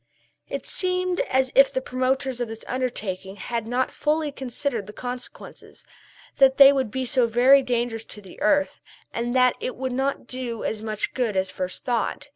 It seemed as if the promoters of this undertaking had not fully considered the consequences that they would be so very dangerous to the earth, and that it would not do as much good as first thought.